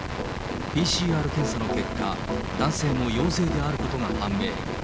ＰＣＲ検査の結果、男性も陽性であることが判明。